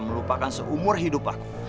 melupakan seumur hidup aku